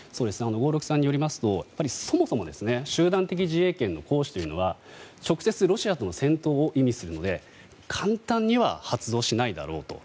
合六さんによりますとそもそも集団的自衛権の行使というのは直接ロシアとの戦闘を意味するので簡単には発動しないだろうと。